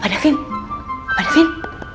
apa ada vin apa ada vin